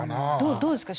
どうですか？